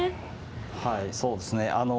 はいそうですね。